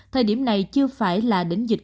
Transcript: thời điểm này chưa phải là đỉnh dịch